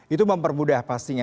itu mempermudah pastinya